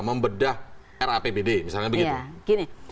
membedah rapbd misalnya begitu